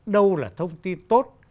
đâu là thông tin tốt